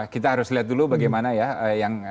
kita harus lihat dulu bagaimana ya